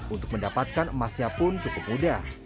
untuk mendapatkan emasnya pun cukup mudah